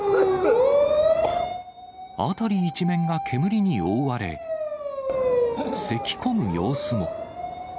辺り一面が煙に覆われ、せき込む様子も。